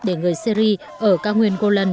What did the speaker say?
để người syri ở cao nguyên golan